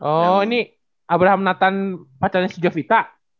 oh ini abraham nathan pacarnya si javita